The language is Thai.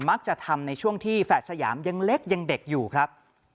มักจะทำในช่วงที่แฝดสยามยังเล็กยังเด็กอยู่ครับ